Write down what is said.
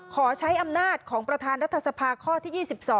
ขอใช้อำนาจของประธานรัฐสภาข้อที่๒๒